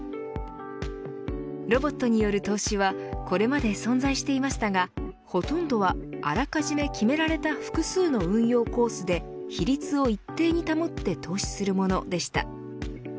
ロボットによる投資はこれまで存在していましたがほとんどは、あらかじめ決められた複数の運用コースで比率を一定に保って投資するものでした。